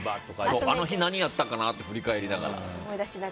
あの日、何やったかな？って振り返りながら。